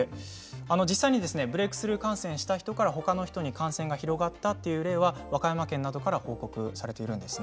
実際にブレークスルー感染した人からほかの人に感染が広がってしまったという例は和歌山県などから報告されています。